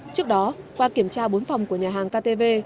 trước đó qua kiểm tra bốn phòng của nhà hàng ktv